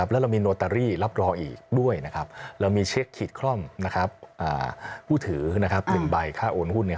แล้วเรามีโนตเตอรี่รับรองอีกด้วยเรามีเช็คขีดคล่อมผู้ถือ๑ใบค่าโอนหุ้น